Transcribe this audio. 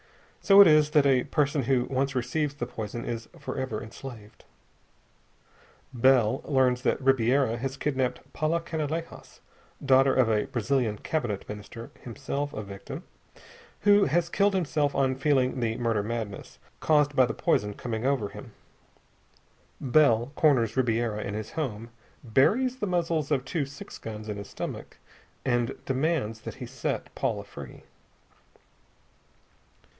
And so it is that a person who once receives the poison is forever enslaved. Bell learns that Ribiera has kidnapped Paula Canalejas, daughter of a Brazilian cabinet minister himself a victim who has killed himself on feeling the "murder madness," caused by the poison, coming over him. Bell corners Ribiera in his home, buries the muzzles of two six guns in his stomach, and demands that he set Paula free.